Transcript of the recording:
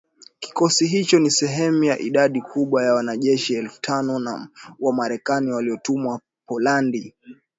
Kikosi hicho ni sehemu ya idadi kubwa ya wanajeshi elfu tano wa Marekani waliotumwa Poland